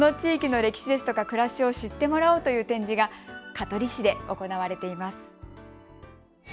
この地域の歴史ですとか暮らしを知ってもらおうという展示が香取市で行われています。